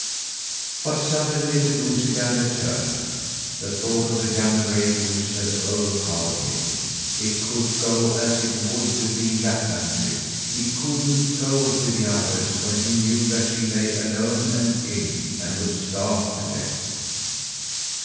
But suddenly the goosey gander turned. The thought of the young gray goose had overpowered him. It could go as it would with the Lapland trip: he couldn't go with the others when he knew that she lay alone and ill, and would starve to death.